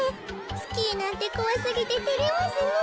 スキーなんてこわすぎててれますねえ。